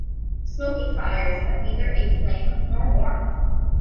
Smokey fires have neither a flame nor warmth.